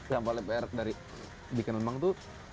yang paling pr dari bikin lemang itu